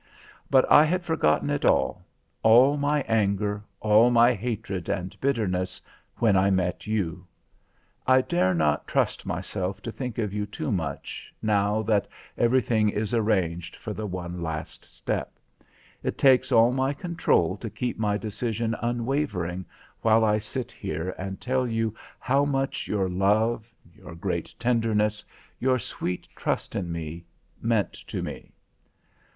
But I had forgotten it all all my anger, all my hatred and bitterness, when I met you. I dare not trust myself to think of you too much, now that everything is arranged for the one last step. It takes all my control to keep my decision unwavering while I sit here and tell you how much your love, your great tenderness, your sweet trust in me, meant to me.